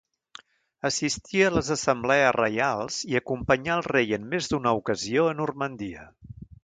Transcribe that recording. Assistia a les assemblees reials i acompanyà el rei en més d'una ocasió a Normandia.